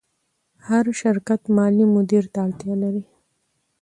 هر شرکت مالي مدیر ته اړتیا لري.